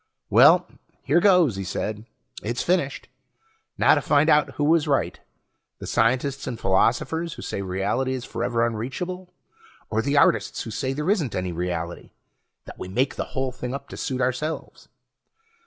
"Well, here goes," he said. "It's finished. Now to find out who is right, the scientists and philosophers who say reality is forever unreachable, or the artists who say there isn't any reality that we make the whole thing up to suit ourselves."